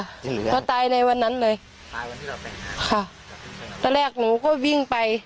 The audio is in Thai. ตายค่ะก็ตายในวันนั้นเลยตอนแรกหนูก็วิ่งไป